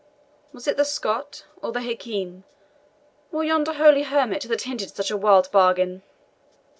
Was it the Scot, or the Hakim, or yonder holy hermit, that hinted such a wild bargain?"